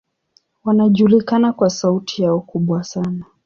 Wanajulikana kwa sauti yao kubwa sana.